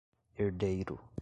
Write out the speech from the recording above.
herdeiro